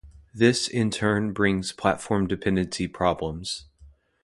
This in turn brings platform-dependency problems.